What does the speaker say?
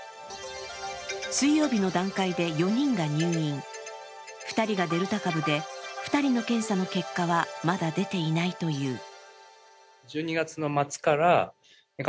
水曜日の段階で４人が入院、２人がデルタ株で２人の検査の結果はまだ出ていないという。